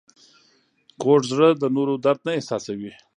کوږ زړه د نورو درد نه احساسوي